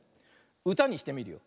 うたにしてみるよ。